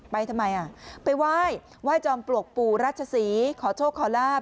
ไปทำไมอ่ะไปไหว้ไหว้จอมปลวกปู่รัชศรีขอโชคขอลาบ